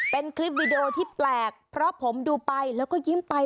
เป็นคลิปวีดีโอที่แปลกเพราะผมดูไปแล้วก็ยิ้มไป